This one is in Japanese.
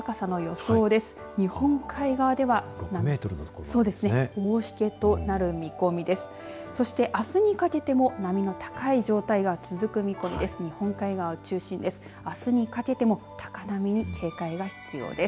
そして、あすにかけても波の高い状態が続く見込みです。